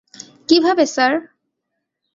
কীভাবে, স্যার?